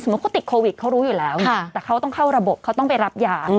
เขาติดโควิดเขารู้อยู่แล้วแต่เขาต้องเข้าระบบเขาต้องไปรับยา